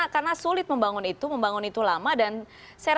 karena sulit membangun itu membangun itu lama dan saya rasa